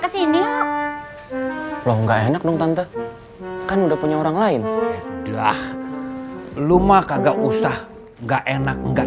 ke sini lo enggak enak dong tante kan udah punya orang lain udah lu mah kagak usah gak enak enakkan